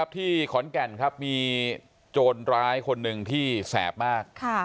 ที่ขอนแก่นครับมีโจรร้ายคนหนึ่งที่แสบมาก